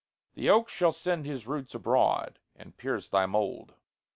The oak Shall send his roots abroad, and pierce thy mold.